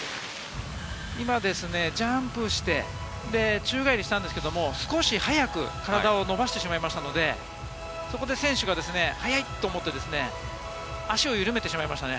今、ジャンプして、宙返りしたんですけれども、少し早く体を伸ばしてしまいましたので、そこで選手が早いと思って足を緩めてしまいましたね。